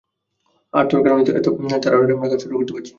আরে তোর কারনেই তো এত তাড়াতাড়ি আমরা টাওয়ারের কাজ শুরু করতে পারছি।